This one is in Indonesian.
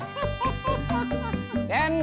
kendal manis dingin